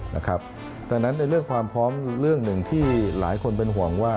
ดังนั้นในเรื่องความพร้อมเรื่องหนึ่งที่หลายคนเป็นห่วงว่า